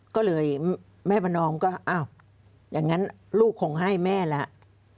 ก็เลยแม่ประนอมก็อ้าวอย่างนั้นลูกคงให้แม่แล้ว